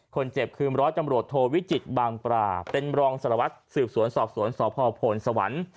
คนเจ็บคืมร้อยจำรวจโทวิจิตรบางปราบเต็มรองสลวัสดิ์สืบสวนสอบสวนสอบพ่อผลสวรรค์